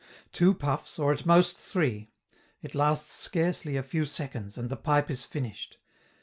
Two puffs, or at most three; it lasts scarcely a few seconds, and the pipe is finished.